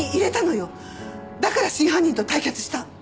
だから真犯人と対決した！